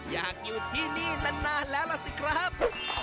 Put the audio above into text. อยากอยู่ที่นี่นานแล้วล่ะสิครับ